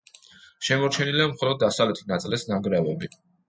შემორჩენილია მხოლოდ დასავლეთი ნაწილის ნანგრევები.